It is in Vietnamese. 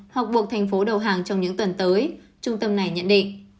hoặc buộc thành phố đầu hàng trong những tuần tới trung tâm này nhận định